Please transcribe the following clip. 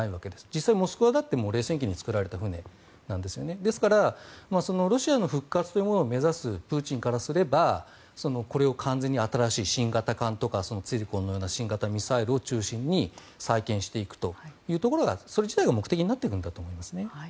実際に「モスクワ」だって冷戦期に作られた船なんですよねですからロシアの復活というものを目指すプーチンからすればこれを完全に新しい新型艦とかツィルコンみたいな新型ミサイルを中心に再建していくというところがそれ自体が目的になってくるんだと思います。